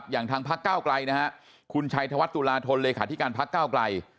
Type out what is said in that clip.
อย่างทางพระเก้าไกลนะฮะคุณชัยธวัฒน์ตุราธนเลยค่ะที่การพระเก้าไกล